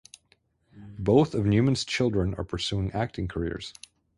Both of Newman's children are pursuing acting careers.